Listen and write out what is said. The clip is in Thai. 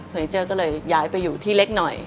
นิเจอร์ก็เลยย้ายไปอยู่ที่เล็กหน่อย